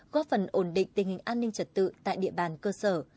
góp phần ổn định tình hình an ninh trật tự tại địa bàn cơ sở